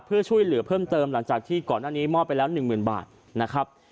เพื่อช่วยเหลือเพิ่มเติมหลังจากที่ก่อนหน้านี้มอบไปแล้ว๑๐๐๐บาทนะครับ